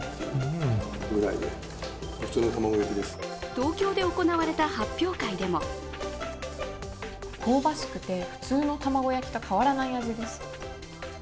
東京で行われた発表会でも香ばしくて普通の卵焼きと変わらない味です。